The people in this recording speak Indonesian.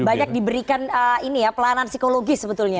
jadi banyak diberikan pelanan psikologis sebetulnya